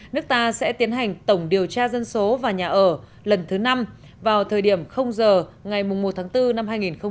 nước ta sẽ tiến hành tổng điều tra dân số và nhà ở lần thứ năm vào thời điểm giờ ngày một tháng bốn năm hai nghìn hai mươi